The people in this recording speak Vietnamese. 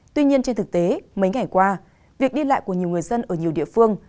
tuy nhiên trên thực tế mấy ngày qua việc đi lại của nhiều người dân ở nhiều địa phương